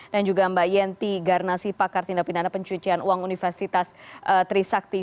dan juga mbak yenty garnasi pakar tindak pindahan pencucian uang universitas trisakti